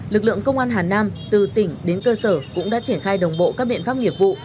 lực lượng công an hà nam từ tỉnh đến cơ sở cũng đã triển khai đồng bộ các biện pháp nghiệp vụ